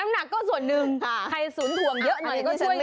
น้ำหนักก็ส่วนหนึ่งใครศูนย์ถวงเยอะนี้ก็ช่วยไว้